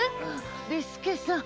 利助さん。